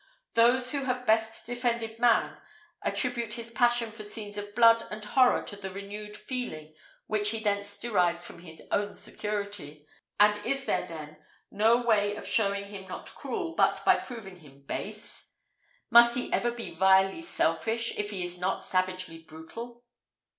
Those who have best defended man, attribute his passion for scenes of blood and horror to the renewed feeling which he thence derives of his own security. And is there, then, no way of showing him not cruel, but by proving him base? Must he ever be vilely selfish, if he is not savagely brutal?